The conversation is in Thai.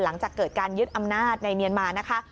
หลังจากเกิดการยึดอำนาจในเมียนมานะคะ